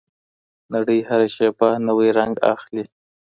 نړۍ هره شیبه نوی رنګ اخلي.